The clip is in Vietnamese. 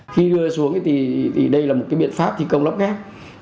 khi đưa xuống thì đây là một cái biện pháp thi công lắm khác